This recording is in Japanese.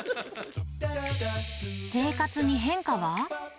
生活に変化は？